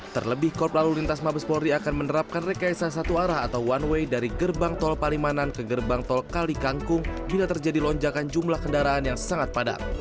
terlebih korp lalu lintas mabes polri akan menerapkan rekayasa satu arah atau one way dari gerbang tol palimanan ke gerbang tol kali kangkung bila terjadi lonjakan jumlah kendaraan yang sangat padat